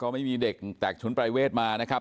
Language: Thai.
ไม่มีเด็กแตกชุดปรายเวทมานะครับ